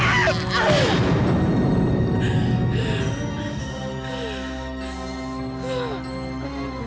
aku tidak bisa berenang nelisia